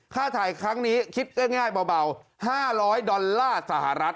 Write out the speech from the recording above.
ค่าถ่ายครั้งนี้คิดง่ายเบา๕๐๐ดอลลาร์สหรัฐ